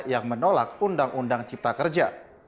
yang menolak undang undang cipta kerja